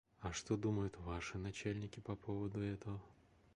А что думают ваши начальники по поводу этого?